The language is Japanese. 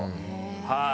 はい。